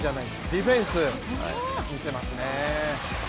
ディフェンス、見せますね。